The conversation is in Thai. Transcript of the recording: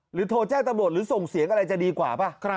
โทรแจ้งตำรวจหรือส่งเสียงอะไรจะดีกว่าป่ะ